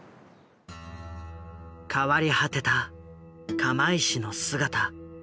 変わり果てた釜石の姿。